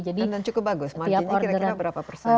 dan cukup bagus marginnya kira kira berapa persen